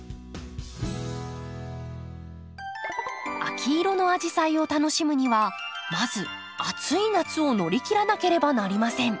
秋色のアジサイを楽しむにはまず暑い夏を乗り切らなければなりません。